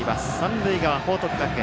三塁側、報徳学園。